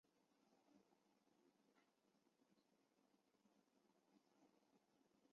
石井岩的历史年代为宋代。